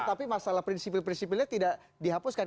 tapi masalah prinsip prinsipnya tidak dihapuskan